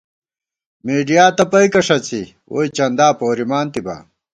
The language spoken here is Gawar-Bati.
مېڈیا تپَئیکہ ݭَڅی ، ووئی چندا پورِمانتِبا